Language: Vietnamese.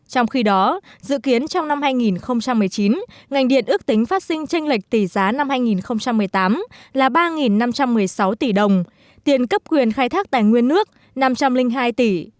trong khi đó dự kiến trong năm hai nghìn một mươi chín ngành điện ước tính phát sinh tranh lệch tỷ giá năm hai nghìn một mươi tám là ba năm trăm một mươi sáu tỷ đồng tiền cấp quyền khai thác tài nguyên nước năm trăm linh hai tỷ